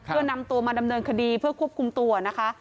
เพื่อนำตัวมาดำเนินคดีเพื่อควบคุมตัวนะคะ